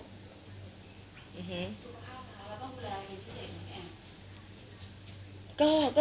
สุขภาพค่ะแล้วต้องดูแลยังไงพิเศษ